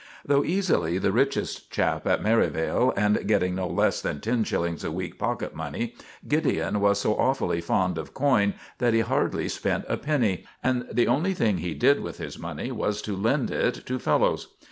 Though easily the richest chap at Merivale, and getting no less than ten shillings a week pocket money, Gideon was so awfully fond of coin that he hardly spent a penny, and the only thing he did with his money was to lend it to fellows.